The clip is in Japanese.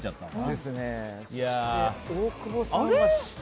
そして大久保さんは、下。